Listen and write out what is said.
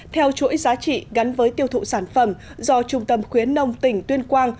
theo chuỗi giá trị gắn với tiêu thụ sản phẩm do trung tâm khuyến nông tỉnh tuyên quang